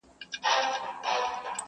جهاني اوس دي په ژبه پوه سوم!.